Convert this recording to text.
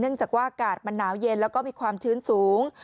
จากว่าอากาศมันหนาวเย็นแล้วก็มีความชื้นสูง